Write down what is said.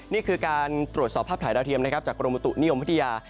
นี่คือการตรวจสอบภาพถ่ายราเทียมจากกรมตุนิยมพฤติยา